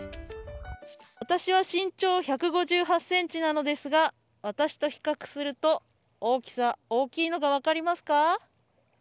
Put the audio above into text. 私は身長１５８ｃｍなのですが私と比較すると大きさ、大きいのが分かりますか。